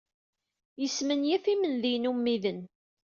Yesmenyaf imendiyen ummiden.